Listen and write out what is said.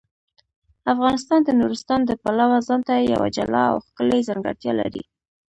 افغانستان د نورستان د پلوه ځانته یوه جلا او ښکلې ځانګړتیا لري.